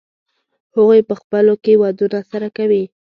هغوی په خپلو کې ودونه سره کوي.